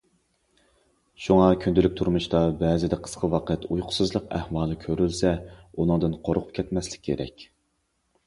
شۇڭا كۈندىلىك تۇرمۇشتا بەزىدە قىسقا ۋاقىت ئۇيقۇسىزلىق ئەھۋالى كۆرۈلسە، ئۇنىڭدىن قورقۇپ كەتمەسلىك كېرەك.